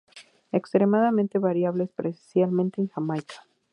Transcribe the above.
Extremadamente variable, especialmente en Jamaica.